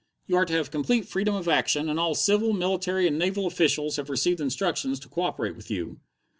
You are to have complete freedom of action, and all civil, military, and naval officials have received instructions to co operate with you."